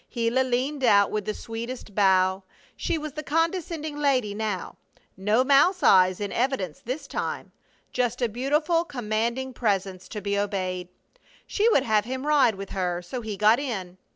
Gila leaned out with the sweetest bow. She was the condescending lady now; no mouse eyes in evidence this time; just a beautiful, commanding presence to be obeyed. She would have him ride with her, so he got in.